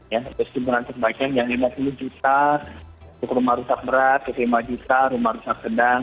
ya stimulan sebaiknya yang lima puluh juta rumah rusak berat lima juta rumah rusak sedang